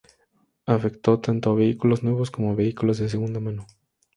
Afecta tanto a vehículos nuevos como a vehículos de segunda mano.